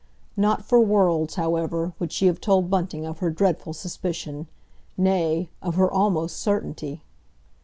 Not for worlds, however, would she have told Bunting of her dreadful suspicion—nay, of her almost certainty.